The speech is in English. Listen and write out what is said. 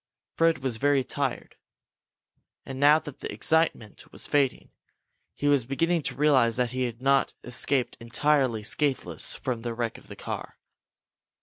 Fred was very tired. And, now that the excitement was fading, he was beginning to realize that he had not escaped entirely scatheless from the wreck of the car.